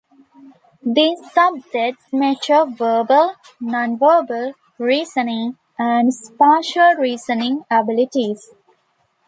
These subtests measure verbal, nonverbal reasoning, and spatial reasoning abilities.